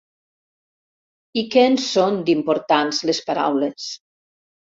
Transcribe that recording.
I que en són, d'importants, les paraules!